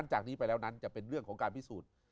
จากนี้ไปแล้วนั้นจะเป็นเรื่องของการพิสูจน์